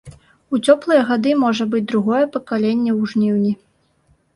У цёплыя гады можа быць другое пакаленне ў жніўні.